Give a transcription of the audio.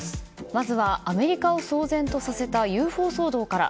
まずはアメリカを騒然とさせたＵＦＯ騒動から。